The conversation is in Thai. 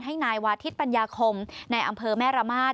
ให้นายวาทิศปัญญาคมในอำเภอแม่ระมาท